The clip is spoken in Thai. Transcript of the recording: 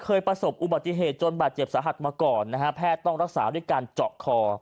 ประสบอุบัติเหตุจนบาดเจ็บสาหัสมาก่อนนะฮะแพทย์ต้องรักษาด้วยการเจาะคอ